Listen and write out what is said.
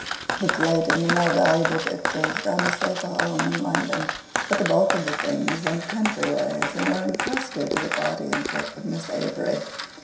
The plate and the more valuable pictures found a safer home in London, but the bulk of the things went country ways, and were entrusted to the guardianship of Miss Avery.